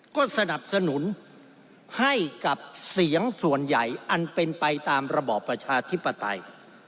ก็สนับสนุนให้กับเสียงส่วนใหญ่อันเป็นไปตามระบอบประชาธิปไตย